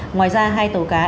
ngoài ra hai tàu cá